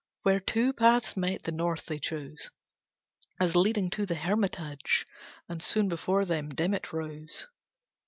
Where two paths met, the north they chose, As leading to the hermitage, And soon before them, dim it rose.